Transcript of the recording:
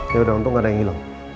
yaudah untung gak ada yang ilang